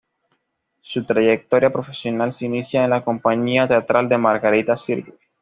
Su trayectoria profesional se inicia en la compañía teatral de Margarita Xirgu.